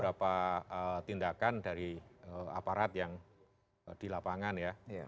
beberapa tindakan dari aparat yang di lapangan ya